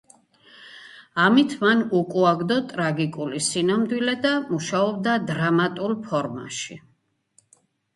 ამით მან უკუაგდო ტრაგიკული სინამდვილე და მუშაობდა დრამატულ ფორმაში.